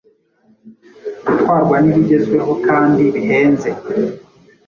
gutwarwa n’ibigezweho kandi bihenze,